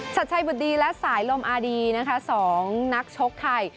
ชัดชัยบุตรดีและสายลมอาดีนะคะ๒นักชกไทย